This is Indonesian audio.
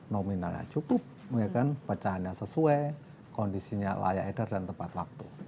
nominalnya cukup pecahannya sesuai kondisinya layak edar dan tepat waktu